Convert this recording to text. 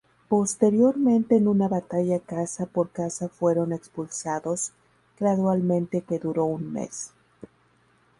Posteriormente en una batalla casa por casa fueron expulsados gradualmente que duró un mes.